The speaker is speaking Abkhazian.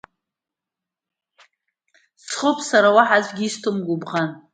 Схоуп, сара уаҳа аӡәгьы исҭом гәыбӷан…